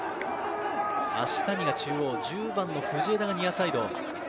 芦谷が中央、１０番の藤枝がニアサイド。